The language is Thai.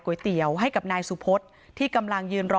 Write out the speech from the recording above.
เตี๋ยวให้กับนายสุพศที่กำลังยืนรอ